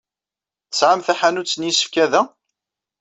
Tesɛam taḥanut n yisefka da?